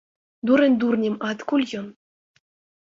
Дурань дурнем, а адкуль ён?